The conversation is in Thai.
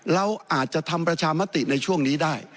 เราอาจจะทำประชามติในช่วงนี้ได้